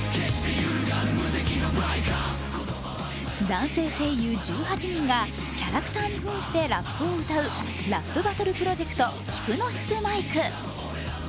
男性声優１８人がキャラクターにふんしてラップを歌うラップバトルプロジェクト、ヒプノシスマイク。